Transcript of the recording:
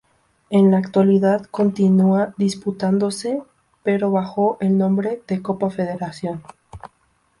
En la actualidad continúa disputándose, pero bajo el nombre de Copa Federación.